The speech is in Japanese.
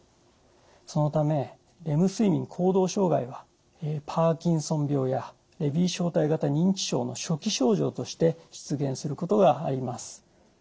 そのためレム睡眠行動障害はパーキンソン病やレビー小体型認知症の初期症状として出現することがあります。